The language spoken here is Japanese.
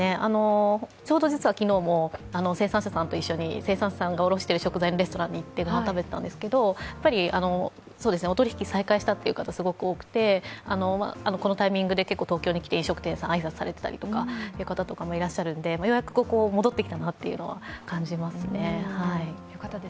ちょうど実は昨日も生産者さんと一緒に、生産者さんが卸しているレストランで食べてたんですけど、お取り引きを再開した方がすごく多くてこのタイミングで結構東京に来て飲食店さん、挨拶されていた方も多いのでようやく戻ってきたなというのは感じますね。